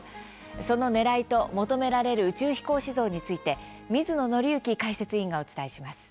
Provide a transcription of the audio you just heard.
そのねらいと求められる宇宙飛行士像について水野倫之解説委員がお伝えします。